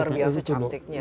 itu luar biasa cantiknya